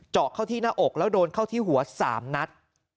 เข้าที่หน้าอกแล้วโดนเข้าที่หัว๓นัด